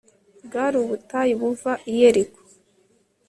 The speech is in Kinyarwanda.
bwari ubutayu buva i yeriko